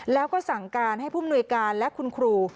แล้วก็สั่งการให้ผู้มนุยการและคุณครู